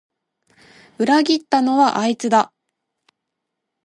裏切ったのはあいつだ